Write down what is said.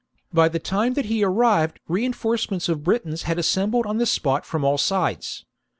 By the time that he arrived rein forcements of Britons had assembled on the spot from all sides.